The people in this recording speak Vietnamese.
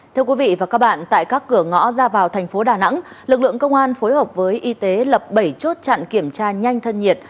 thưa quý vị và các bạn tại các cửa ngõ ra vào thành phố đà nẵng lực lượng công an phối hợp với y tế lập bảy chốt chặn kiểm tra nhanh thân nhiệt